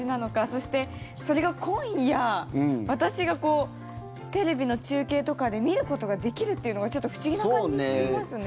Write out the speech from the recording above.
そして、それが今夜私がテレビの中継とかで見ることができるっていうのがちょっと不思議な感じしますね。